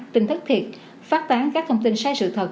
tin thất thiệt phát tán các thông tin sai sự thật